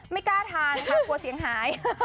ไม่กล้าทานค่ะกลัวเสียงหาย